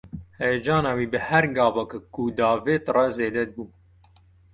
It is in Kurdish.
Heyecana wî bi her gaveke ku davêt re zêde dibû.